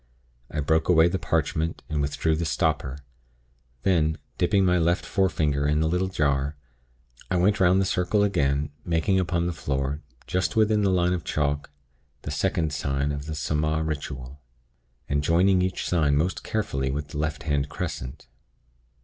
I broke away the parchment, and withdrew the stopper. Then, dipping my left forefinger in the little jar, I went 'round the circle again, making upon the floor, just within the line of chalk, the Second Sign of the Saaamaaa Ritual, and joining each Sign most carefully with the left handed crescent.